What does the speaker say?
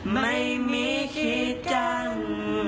ไม่มีคิดกัน